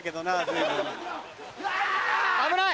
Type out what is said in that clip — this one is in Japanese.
危ない！